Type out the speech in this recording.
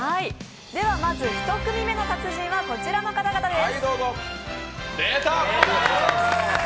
まず１組目の達人はこちらの方々です。